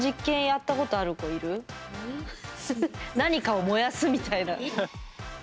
何かを燃やすみたいな。